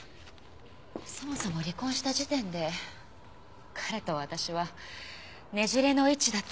そもそも離婚した時点で彼と私はねじれの位置だったんですから。